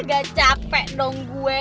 gak capek dong gue